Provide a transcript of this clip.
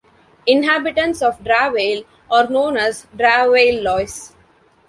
Inhabitants of Draveil are known as "Draveillois".